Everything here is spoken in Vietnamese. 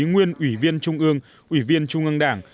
nguyên ủy viên trung ương ủy viên trung ương đảng